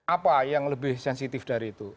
apa yang lebih sensitif dari itu